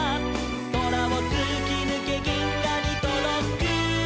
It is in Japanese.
「そらをつきぬけぎんがにとどく」